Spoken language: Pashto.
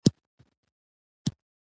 قرضاوي ځواب کې وویل.